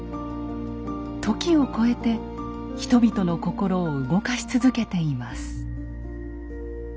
時を超えて人々の心を動かし続けています。